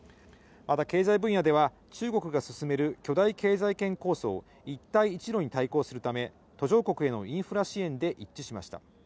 また経済分野では、中国が進める巨大経済圏構想、一帯一路に対抗するため、途上国へのインフラ支援で一致しました。